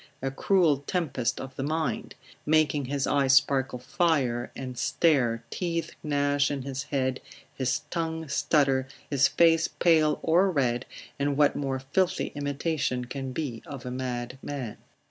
a cruel tempest of the mind; making his eye sparkle fire, and stare, teeth gnash in his head, his tongue stutter, his face pale, or red, and what more filthy imitation can be of a mad man?